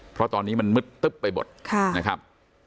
เพราะตอนนี้มันมืดตึ๊บไปหมดนะครับ